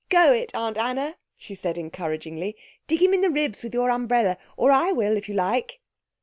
"Go it, Aunt Anna," she said encouragingly, "dig him in the ribs with your umbrella or I will, if you like."